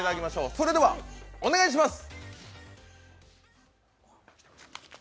それではお願いします！